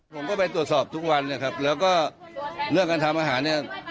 ผมก็ไปตรวจสอบทุกวันนะครับแล้วก็เรื่องการทำอาหารเนี่ย